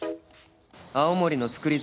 青森の造り